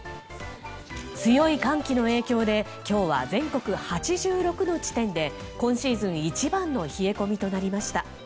強い寒気の影響で今日は全国８６の地点で今シーズン一番の冷え込みとなりました。